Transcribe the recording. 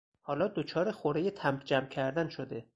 حالا دچار خورهی تمبر جمع کردن شده.